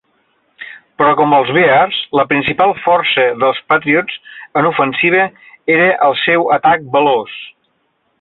Però com els Bears, la principal força dels Patriots en l'ofensiva era el seu atac veloç.